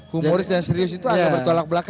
humoris dan serius itu agak bertolak belakang